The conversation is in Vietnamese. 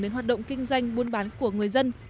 đến hoạt động kinh doanh buôn bán của người dân